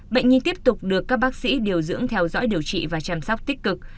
bệnh nhi tiếp tục được các bác sĩ điều dưỡng theo dõi điều trị và chăm sóc tích cực